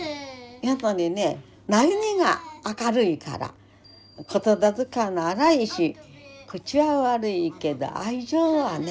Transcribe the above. やっぱりね真由美が明るいから言葉遣いも荒いし口は悪いけど愛情はね